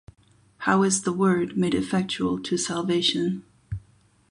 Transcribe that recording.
How is the Word made effectual to salvation?